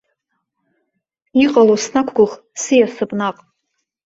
Иҟало снақәгәыӷ, сиасып наҟ.